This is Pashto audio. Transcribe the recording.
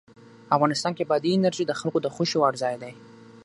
افغانستان کې بادي انرژي د خلکو د خوښې وړ ځای دی.